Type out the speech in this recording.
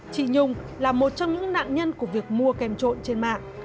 chị nhung là một trong những nạn nhân của việc mua kem trộn trên mạng